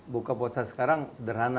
buka puasa sekarang sederhana